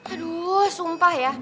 aduh sumpah ya